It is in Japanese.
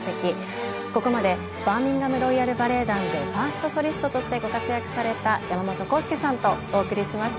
ここまでバーミンガム・ロイヤル・バレエ団でファーストソリストとしてご活躍された山本康介さんとお送りしました。